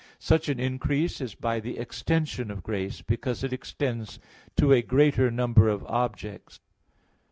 Such an increase is by the "extension" of grace, because it extends to a greater number of objects.